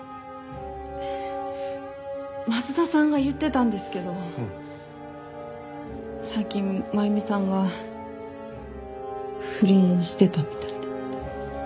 松田さんが言ってたんですけど最近真弓さんが不倫してたみたいで。